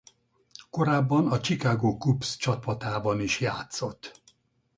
Korábban a Chicago Cubs csapatában is játszott.